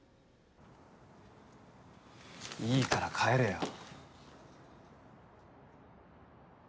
いいから帰れよ。